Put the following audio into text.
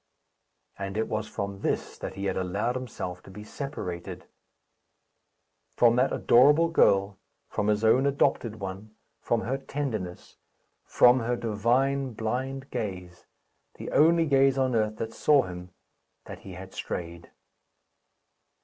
And it was from this that he had allowed himself to be separated from that adorable girl, from his own adopted one, from her tenderness, from her divine blind gaze, the only gaze on earth that saw him, that he had strayed!